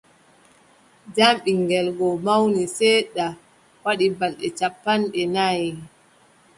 Jam ɓiŋngel goo mawni seeɗa, waɗi balɗe cappanɗe nayi.